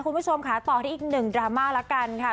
คุณผู้ชมค่ะต่อที่อีกหนึ่งดราม่าละกันค่ะ